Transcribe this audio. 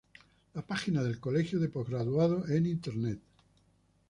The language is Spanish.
La página del Colegio de Postgraduados en Internet